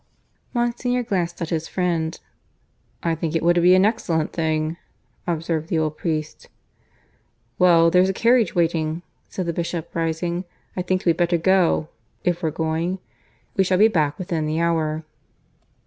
Monsignor glanced at his friend. "I think it would be an excellent thing," observed the old priest. "Well, there's a carriage waiting," said the Bishop, rising. "I think we'd better go, if we're going. We shall be back within the hour."